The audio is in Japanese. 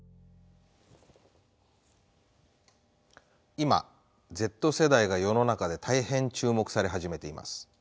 今Ｚ世代が世の中で大変注目され始めています。